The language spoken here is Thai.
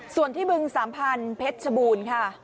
ซึ่ง๓๐๐๐เพชรบูรณ์ค่ะ